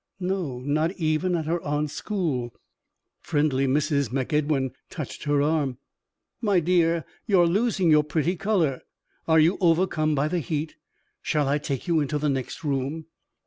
No, not even at her aunt's school! Friendly Mrs. MacEdwin touched her arm. "My dear, you are losing your pretty color. Are you overcome by the heat? Shall I take you into the next room?"